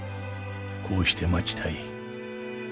こうして待ちたい。